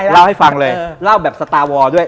เล่าให้ฟังเลยเล่าแบบสตาร์วอร์ด้วย